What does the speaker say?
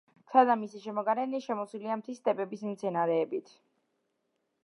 მთა და მისი შემოგარენი შემოსილია მთის სტეპის მცენარეებით.